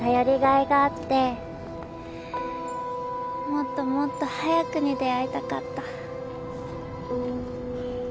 もっともっと早くに出会いたかった。